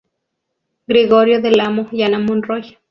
Gregorio Del Amo y Ana Monroy.